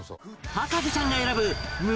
博士ちゃんが選ぶ胸